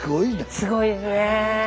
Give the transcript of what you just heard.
すごいですね。